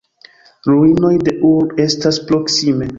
Ruinoj de Ur estas proksime.